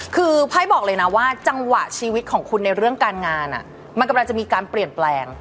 คือไพ่บอกเลยนะว่าจังหวะชีวิตของคุณในเรื่องการงานมันกำลังจะมีการเปลี่ยนแปลง